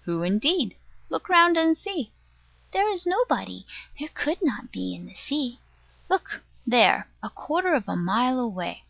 Who, indeed? look round and see. There is nobody. There could not be in the sea. Look there, a quarter of a mile away.